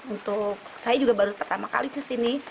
untuk saya juga baru pertama kali kesini